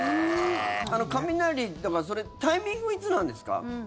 雷、だから、それタイミングいつなんですか。